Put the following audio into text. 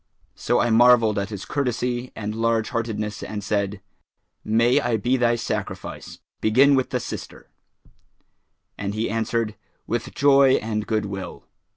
So I marvelled at his courtesy and large heartedness and said, 'May I be thy sacrifice! Begin with the sister;' and he answered, 'With joy and goodwill.'